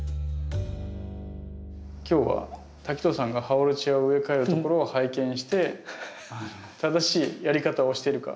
今日は滝藤さんがハオルチアを植え替えるところを拝見して正しいやり方をしてるか。